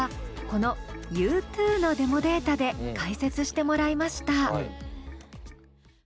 この「ｙｏｕｔｏｏ」のデモデータで解説してもらいました。